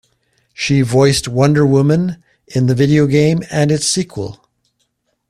She voiced Wonder Woman in the video game and its sequel.